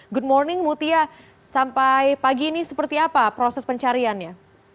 good morning mutia sampai pagi ini seperti apa proses pencariannya